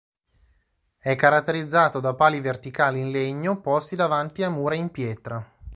È caratterizzato da pali verticali in legno posti davanti a mura in pietra.